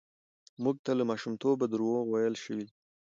موږ ته له ماشومتوبه دروغ ويل شوي دي.